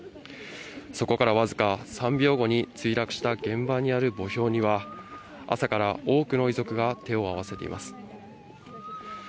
そこからわずか３秒後に墜落した現場にある墓標には朝から多くの遺族が手を合わせています。